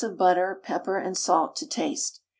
of butter, pepper and salt to taste.